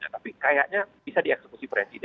tapi kayaknya bisa dieksekusi presiden